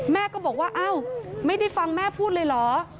แม่ก็บอกว่าอ้าวไม่ได้ฟังแม่พูดเลยเหรอ